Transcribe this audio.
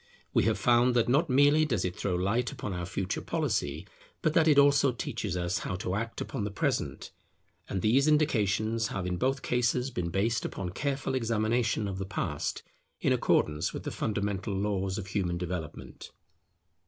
We have found that not merely does it throw light upon our Future policy, but that it also teaches us how to act upon the Present; and these indications have in both cases been based upon careful examination of the Past, in accordance with the fundamental laws of human development.